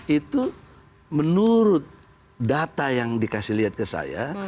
itu menurut data yang dikasih lihat ke saya